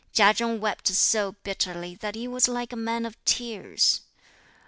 Chia Chen wept so bitterly that he was like a man of tears.